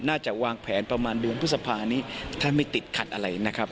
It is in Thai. น่าจะวางแผนประมาณเดือนพฤษภานี้ถ้าไม่ติดขัดอะไรนะครับ